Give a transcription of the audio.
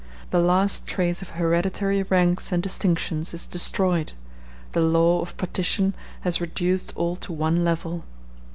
The last trace of hereditary ranks and distinctions is destroyed—the law of partition has reduced all to one level.